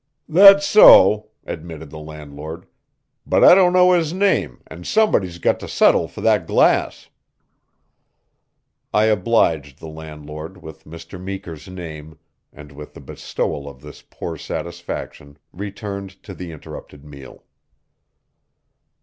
"That's so," admitted the landlord. "But I don't know his name, and somebody's got to settle for that glass." I obliged the landlord with Mr. Meeker's name, and with the bestowal of this poor satisfaction returned to the interrupted meal.